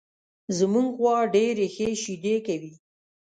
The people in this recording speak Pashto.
زمونږ غوا ښې ډېرې شیدې کوي